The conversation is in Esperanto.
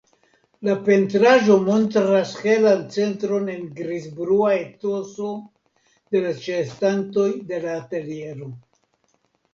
La pentraĵo montras helan centron en grizbruna etoso de la ĉeestantoj de la ateliero.